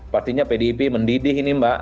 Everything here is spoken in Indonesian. pastinya pdip mendidih ini mbak